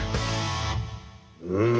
うん！